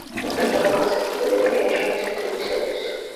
მეტად დამახასიათებელია ტიან-შანის მთებისათვის.